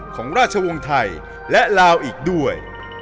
ของราชวงศ์ไทยและลาวอีกด้วย